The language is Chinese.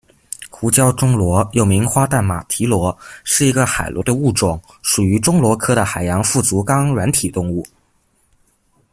胡椒钟螺，又名花蜑马蹄螺，是一个海螺的物种，属于钟螺科的海洋腹足纲软体动物。